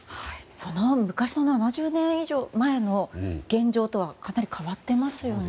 その昔の７０年以上前の現状とはかなり変わっていますよね